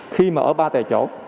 khi mà ở ba tề chỗ